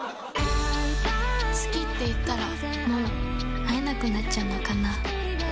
「好きって言ったらもう会えなくなっちゃうのかな」